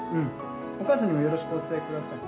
・お母さんにもよろしくお伝え下さい。